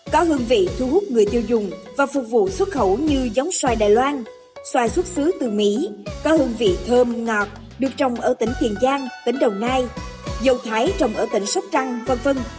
có hương vị thu hút người tiêu dùng và phục vụ xuất khẩu như giống xoài đài loan xoài xuất xứ từ mỹ có hương vị thơm ngọt được trồng ở tỉnh tiền giang tỉnh đồng nai dầu thái trồng ở tỉnh sóc trăng v v